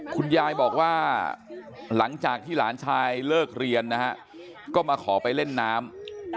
คุณยายบอกว่าหลังจากที่หลานชายเลิกเรียนนะฮะก็มาขอไปเล่นน้ำ